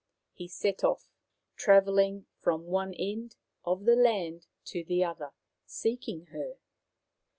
He set off, travelling from one end of the land to the other, seeking her.